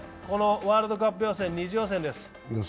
ワールドカップ予選、２次予選です。